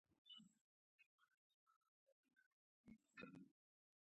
مګر کله چې یې د امیر د استازي په حیث خبرې کولې.